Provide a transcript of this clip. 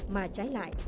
mà trái lại